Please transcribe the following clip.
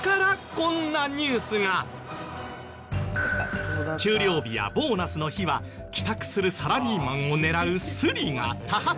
だから給料日やボーナスの日は帰宅するサラリーマンを狙うスリが多発。